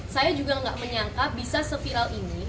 saya juga nggak menyangka bisa seviral ini